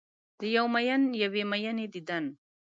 د یو میین یوې میینې دیدن